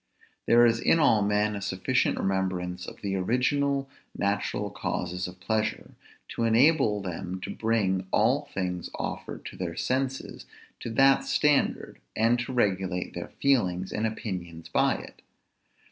There is in all men a sufficient remembrance of the original natural causes of pleasure, to enable them to bring all things offered to their senses to that standard, and to regulate their feelings and opinions by it.